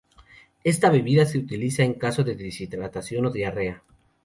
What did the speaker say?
Esta bebida se utiliza en caso de deshidratación o diarrea.